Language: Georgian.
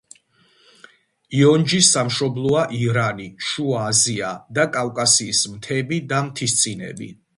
იონჯის სამშობლოა ირანი, შუა აზია და კავკასიის მთები და მთისწინები.